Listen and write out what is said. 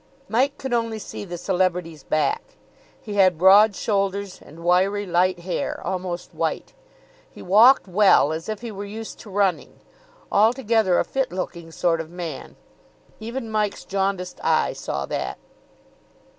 Mike could only see the celebrity's back. He had broad shoulders and wiry, light hair, almost white. He walked well, as if he were used to running. Altogether a fit looking sort of man. Even Mike's jaundiced eye saw that.